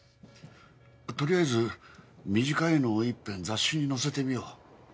とりあえず短いのを一編雑誌に載せてみよう。